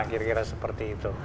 kira kira seperti itu